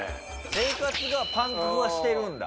生活がパンクしてるんだ？